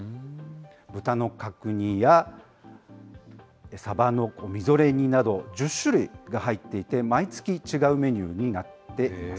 豚の角煮や、さばのみぞれ煮など、１０種類が入っていて、毎月違うメニューになっています。